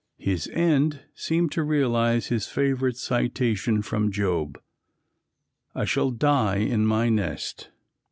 His end seemed to realize his favorite citation from Job: "I shall die in my nest."